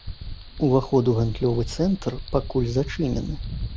Уваход у гандлёвы цэнтр пакуль зачынены.